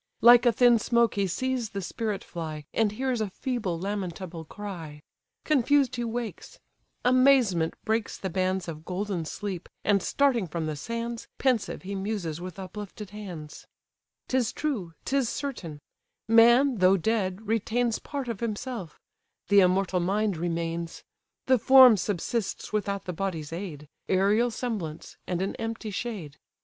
Like a thin smoke he sees the spirit fly, And hears a feeble, lamentable cry. Confused he wakes; amazement breaks the bands Of golden sleep, and starting from the sands, Pensive he muses with uplifted hands: "'Tis true, 'tis certain; man, though dead, retains Part of himself; the immortal mind remains: The form subsists without the body's aid, Aerial semblance, and an empty shade!